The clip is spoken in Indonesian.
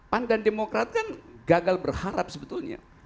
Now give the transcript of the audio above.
pan dan demokrat kan gagal berharap sebetulnya